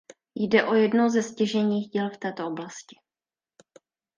Jde o jedno ze stěžejních děl v této oblasti.